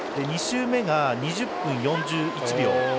２周目が２０分４１秒。